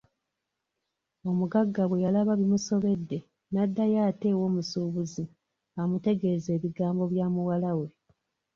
Omugagga bwe yalaba bimusobedde n’addayo ate ew’omusuubuzi amutegeeze ebigambo bya muwala we.